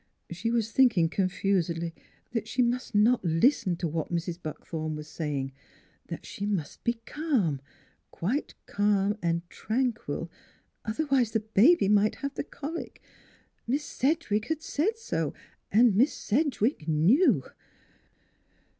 She was thinking confusedly that she must not listen to what Mrs. Buckthorn was say ing; that she must be calm quite calm and tran quil, otherwise the baby might have the colic. Miss Sedgewick had said so, and Miss Sedgewick knew.